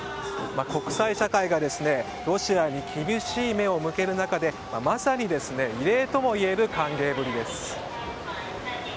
国際社会がロシアに厳しい目を向ける中でまさに異例ともいえる歓迎ぶりです。